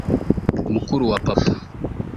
mukuru wa papa